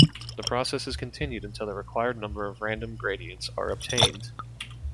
The process is continued until the required number of random gradients are obtained.